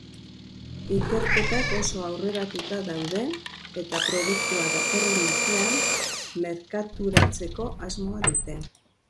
Ikerketak oso aurreratuta daude eta produktua datorren urtean merkaturatzeko asmoa dute.